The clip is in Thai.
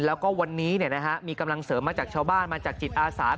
แล้วก็วันนี้มีกำลังเสริมมาจากชาวบ้านมาจากจิตอาสา